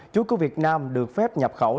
chuối của việt nam được phép nhập khẩu